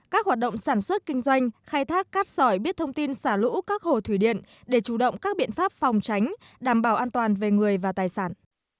các hoạt động sản xuất kinh doanh khai thác cát sỏi biết thông tin xả lũ các hồ thủy điện để chủ động các biện pháp phòng tránh đảm bảo an toàn về người và tài sản